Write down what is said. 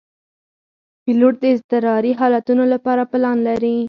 پیلوټ د اضطراري حالتونو لپاره پلان لري.